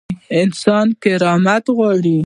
انسان کرامت غواړي